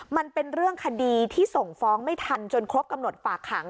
มันเป็นเรื่องคดีที่ส่งฟ้องไม่ทันจนครบกำหนดฝากขัง